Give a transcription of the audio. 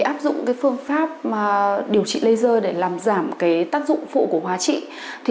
áp dụng phương pháp điều trị laser để làm giảm tác dụng phụ của hóa trị